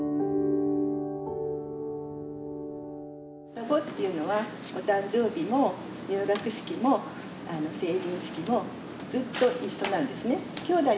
双子っていうのはお誕生日も入学式も成人式もずっと一緒なんですね。